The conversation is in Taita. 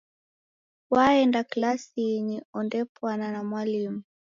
Waenda klasinyi ondepwana na mwalimu.